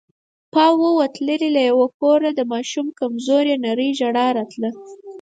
پاو ووت، ليرې له يوه کوره د ماشوم کمزورې نرۍ ژړا راتله.